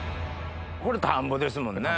これ田んぼですもんね。